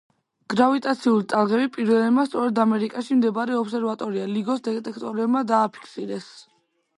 გრავიტაციული ტალღები პირველებმა სწორედ ამერიკაში მდებარე ობსერვატორია „ლიგოს“ დეტექტორებმა დააფიქსირეს.